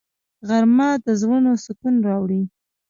غرمه د زړونو سکون راوړي